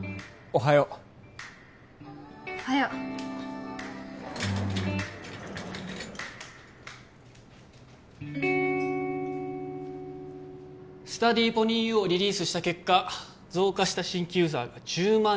おはようスタディーポニーＵをリリースした結果増加した新規ユーザーが１０万